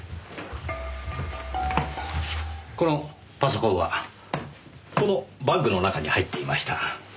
このパソコンはこのバッグの中に入っていました。